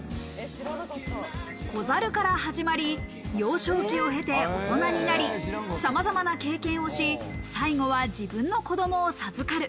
子猿から始まり、幼少期を経て大人になり、さまざまな経験をし、最後は自分の子供を授かる。